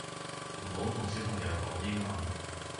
唔好同小朋友講英文